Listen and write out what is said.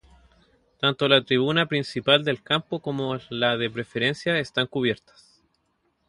Tanto la Tribuna principal del campo como la de Preferencia están cubiertas.